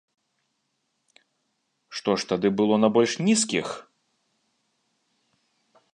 Што ж тады было на больш нізкіх?